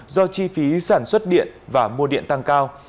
do chi phí sản xuất điện và mua điện tăng cao